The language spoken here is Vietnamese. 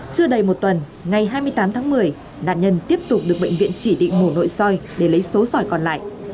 chưa đầy một tuần ngày hai mươi tám tháng một mươi nạn nhân tiếp tục được bệnh viện chỉ định mổ nội soi để lấy số sỏi còn lại